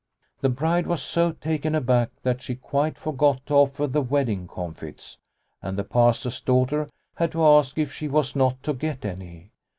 The bride was so taken aback that she quite forgot to offer the wedding comfits, and the Pastor's daughter had to ask if she was not to get any.